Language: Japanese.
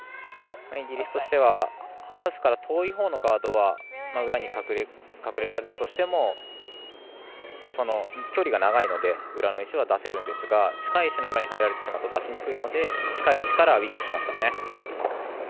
イギリスとしてはハウスから遠いほうのガードは裏に隠れられたとしても距離が長いので裏に出せるんですが近い石の裏に入られてしまうと出しにくいので近い石からウィックしましたね。